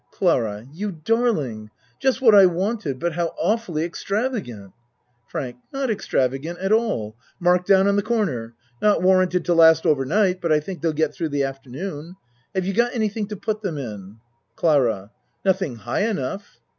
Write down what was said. CLARA You darling! Just what I wanted. But, how awfully extravagant! FRANK Not extravagant at all. Marked down on the corner. Not warranted to last over night but I think they'll get through the afternoon. Have you got anything to put them in? CLARA Nothing high enough.